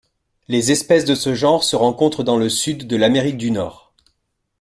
Les espèces de ce genre se rencontrent dans le sud de l'Amérique du Nord.